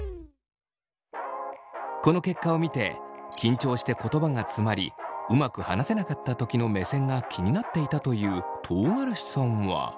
この結果を見て緊張して言葉がつまりうまく話せなかったときの目線が気になっていたという唐辛子さんは。